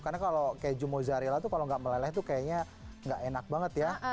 karena kalau keju mozzarella tuh kalau nggak meleleh tuh kayaknya nggak enak banget ya